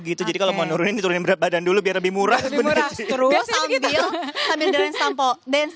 gitu jadi kalau mau nurunin diturunin berat badan dulu biar lebih murah benerin sampel dance